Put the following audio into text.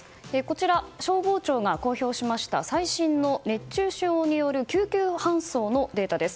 消防庁が公表しました最新の熱中症による救急搬送のデータです。